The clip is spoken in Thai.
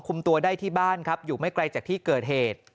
ตัวได้ที่บ้านครับอยู่ไม่ไกลจากที่เกิดเหตุ